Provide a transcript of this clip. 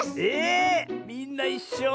みんないっしょ。